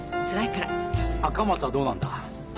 赤松はどうなんだ？